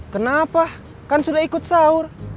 kenapa kan sudah ikut sahur